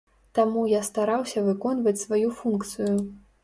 Таму я стараўся выконваць сваю функцыю.